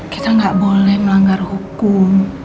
kita nggak boleh melanggar hukum